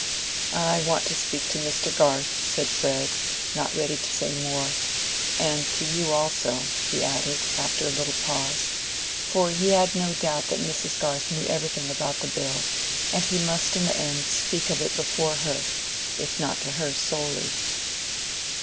"I want to speak to Mr. Garth," said Fred, not yet ready to say more—"and to you also," he added, after a little pause, for he had no doubt that Mrs. Garth knew everything about the bill, and he must in the end speak of it before her, if not to her solely.